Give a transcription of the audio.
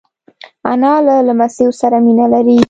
انا له لمسیو سره مینه لري